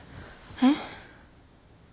えっ？